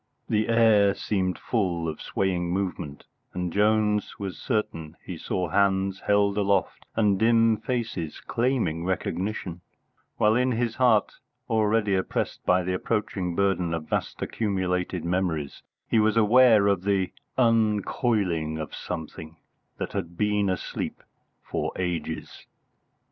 The air seemed full of swaying movement, and Jones was certain he saw hands held aloft and dim faces claiming recognition, while in his heart, already oppressed by the approaching burden of vast accumulated memories, he was aware of the uncoiling of something that had been asleep for ages.